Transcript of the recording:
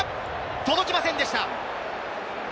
届きませんでした。